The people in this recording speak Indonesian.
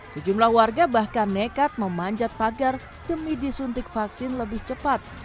sejumlah warga bahkan nekat memanjat pagar demi disuntik vaksin lebih cepat